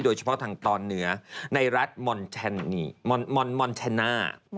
โดยเฉพาะทางตอนเหนือในรัฐมอนเทน่า